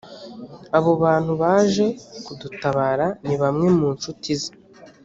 abo bantu baje kudutabara nibamwe mu ncuti ze